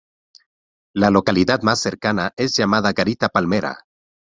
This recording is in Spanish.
La localidad más cercana es llamada "Garita Palmera".